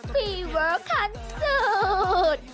ฟีเวิร์ดคันสุด